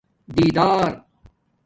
دیدار